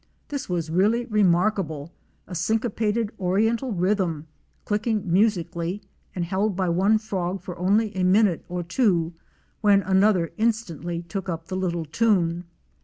This was really remarkable — a syncopated Oriental rhythm, clicking musi cally, and held by one frog for only a minute or two when another instantly took up the little tune.